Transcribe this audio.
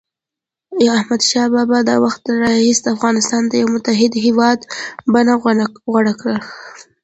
د احمدشاه بابا د وخت راهيسي افغانستان د یوه متحد هېواد بڼه غوره کړه.